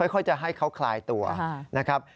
ค่อยจะให้เขาคลายตัวนะครับ